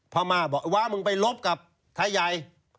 พม่าบอกว้ามึงไปลบกับไทยใหญ่